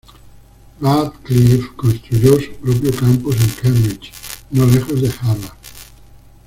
Radcliffe construyó su propio campus en Cambridge, no lejos de Harvard.